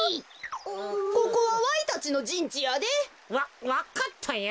ここはわいたちのじんちやで。わわかったよ。